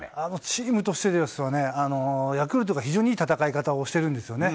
チームとしてですとね、ヤクルトが非常にいい戦い方をしてるんですよね。